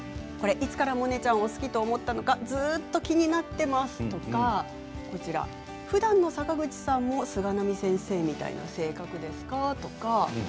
いつからモネちゃんを好きと思ったのかずっと気になっていますとかふだんの坂口さんも菅波先生みたいな性格なんですかとか。